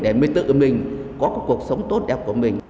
để mình có cái cuộc sống tốt đẹp của mình